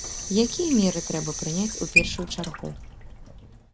Якія меры трэба прыняць у першую чаргу?